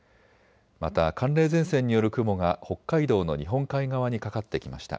また、寒冷前線による雲が北海道の日本海側にかかってきました。